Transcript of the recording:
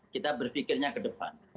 kita berpikirnya ke depan